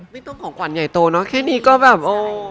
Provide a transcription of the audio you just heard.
ของขวัญใหญ่โตเนอะแค่นี้ก็แบบโอ้